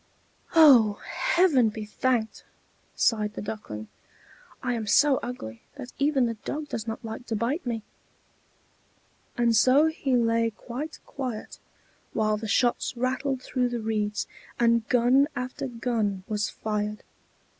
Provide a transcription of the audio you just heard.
"Oh, Heaven be thanked!" sighed the Duckling. "I am so ugly that even the dog does not like to bite me!" And so he lay quite quiet, while the shots rattled through the reeds and gun after gun was fired.